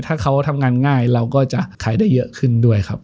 ถ้าเขาทำงานง่ายเราก็จะขายได้เยอะขึ้นด้วยครับ